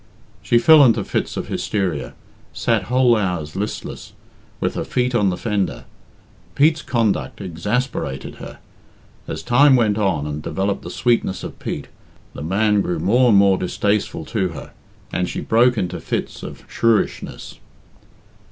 She fell into fits of hysteria, sat whole hours listless, with her feet on the fender. Pete's conduct exasperated her. As time went on and developed the sweetness of Pete, the man grew more and more distasteful to her, and she broke into fits of shrewishness.